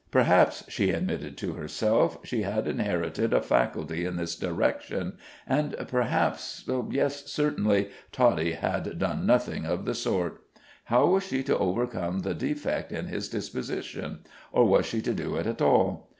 Perhaps, she admitted to herself, she had inherited a faculty in this direction, and perhaps yes, certainly, Toddie had done nothing of the sort. How was she to overcome the defect in his disposition; or was she to do it at all?